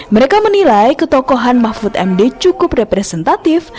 mereka menilai ketokohan mahfud md cukup representatif